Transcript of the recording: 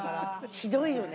ひどいよね。